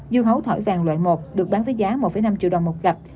dư hấu thổi vàng loại một được bán với giá một năm triệu đồng một cặp